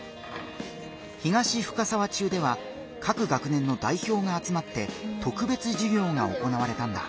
東深沢中では各学年の代表があつまって特別授業が行われたんだ。